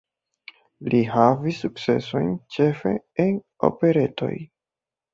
Li havis sukcesojn ĉefe en operetoj.